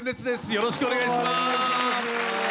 よろしくお願いします。